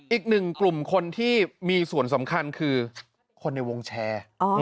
อีกหนึ่งกลุ่มคนที่มีส่วนสำคัญคือคนในวงแชร์